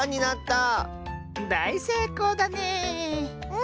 だいせいこうだね！